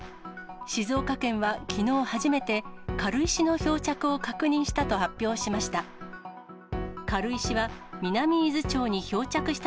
静岡県はきのう初めて、軽石の漂着を確認したと発表しました。